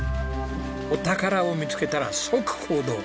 お宝を見つけたら即行動。